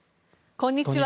こんにちは。